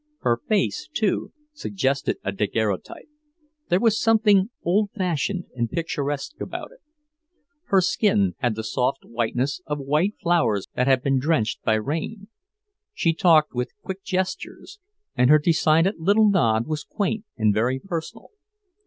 Her face, too, suggested a daguerreotype; there was something old fashioned and picturesque about it. Her skin had the soft whiteness of white flowers that have been drenched by rain. She talked with quick gestures, and her decided little nod was quaint and very personal.